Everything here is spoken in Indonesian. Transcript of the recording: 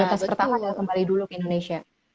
prilipas pertama adalah kembali dulu ke indonesia